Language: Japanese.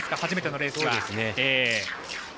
初めてのレースは。